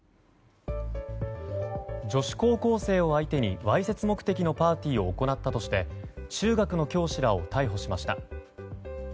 女子高校生を相手にわいせつ目的のパーティーを行ったとして中学の教師らを逮捕しました。